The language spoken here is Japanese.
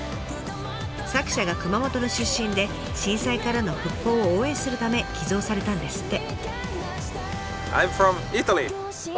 作者が熊本の出身で震災からの復興を応援するため寄贈されたんですって。